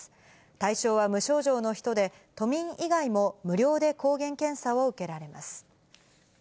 対象は無症状の人で、都民以外も無料で抗原検査を受けられます。